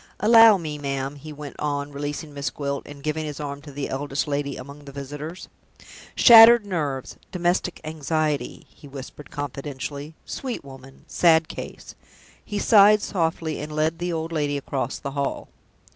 Allow me, ma'am," he went on, releasing Miss Gwilt, and giving his arm to the eldest lady among the visitors. "Shattered nerves domestic anxiety," he whispered, confidentially. "Sweet woman! sad case!" He sighed softly, and led the old lady across the hall.